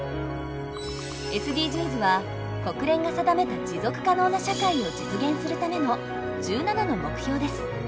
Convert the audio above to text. ＳＤＧｓは国連が定めた持続可能な社会を実現するための１７の目標です。